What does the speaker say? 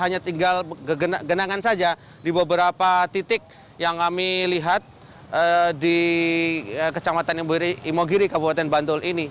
hanya tinggal genangan saja di beberapa titik yang kami lihat di kecamatan imogiri kabupaten bantul ini